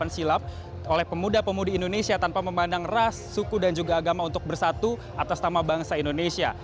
silap oleh pemuda pemudi indonesia tanpa memandang ras suku dan juga agama untuk bersatu atas nama bangsa indonesia